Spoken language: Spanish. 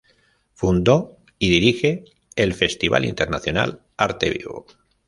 Fundó y dirige el Festival Internacional Arte Vivo.